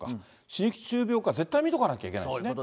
歯周病か絶対診とかなきゃいけないですね。